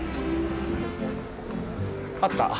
あった。